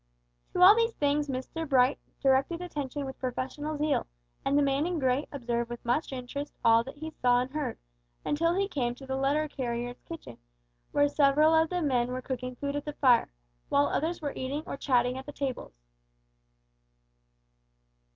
To all these things Mr Bright directed attention with professional zeal, and the man in grey observed with much interest all that he saw and heard, until he came to the letter carriers' kitchen, where several of the men were cooking food at the fire, while others were eating or chatting at the tables.